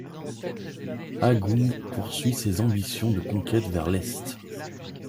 Agung poursuit ses ambitions de conquête vers l'est.